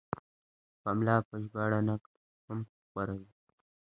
پملا په ژباړه نقد هم خپروي.